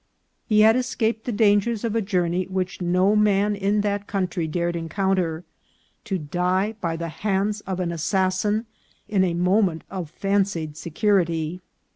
He had escaped the dangers of a journey which no man in that country dared encounter, to die by the hands of an assassin in a moment of fancied securi ty.